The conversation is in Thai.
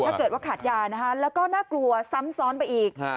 ถ้าเกิดว่าขาดยานะคะแล้วก็น่ากลัวซ้ำซ้อนไปอีก